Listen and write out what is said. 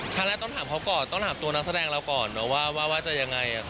ตอนแรกต้องถามเขาก่อนต้องถามตัวนักแสดงเราก่อนนะว่าจะยังไง